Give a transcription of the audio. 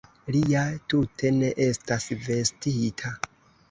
Li ja tute ne estas vestita!